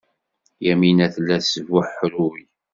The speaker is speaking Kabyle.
Yamina tella tesbuḥruy.